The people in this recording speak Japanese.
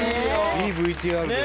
いいＶＴＲで。